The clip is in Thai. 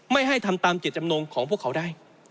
ไม่ให้ทำตามเจตจำนงของพวกเขาได้